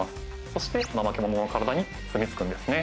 そしてナマケモノの体に住みつくんですね。